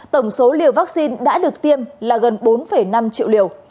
tổng số liều vaccine đã được tiêm là gần bốn năm triệu liều